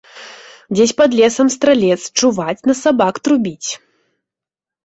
Дзесь пад лесам стралец, чуваць, на сабак трубіць.